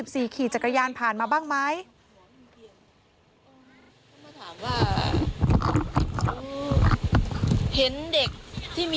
ผ่าถีบจักรยานผ่านไปบ้างไหม